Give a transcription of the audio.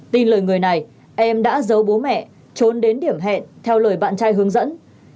tin lời người này em đã giấu bố mẹ trốn đến điểm hẹn theo lời bạn trai hướng dẫn